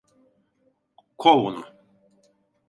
Kov onu!